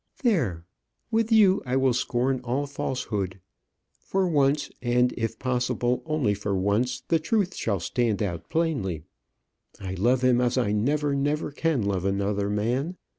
There; with you, I will scorn all falsehood. For once, and, if possible, only for once, the truth shall stand out plainly. I love him as I never, never can love another man.